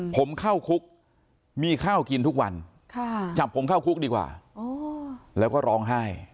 ผมเข้าคุกมีข้าวกินทุกวันจับผมเข้าคุกดีกว่าแล้วก็ร้องไห้